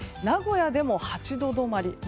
名古屋でも８度止まり。